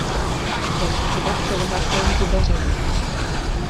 Rozsudek se vyhlašuje vždy veřejně.